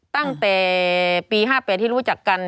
ตั้งแต่ปี๕๘ที่รู้จักกัน